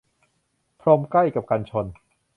พรมใกล้กับกันชน